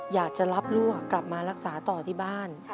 อยากจะรับลูกกลับมารักษาต่อที่บ้าน